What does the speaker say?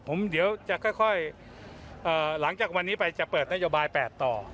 ผมเดี๋ยวจะค่อยหลังจากวันนี้ไปจะเปิดนโยบาย๘ต่อ